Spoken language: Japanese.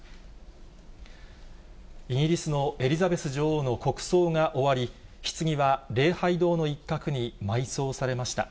イギリスのエリザベス女王の国葬が終わり、ひつぎは礼拝堂の一角に埋葬されました。